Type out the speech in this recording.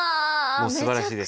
もうすばらしいです。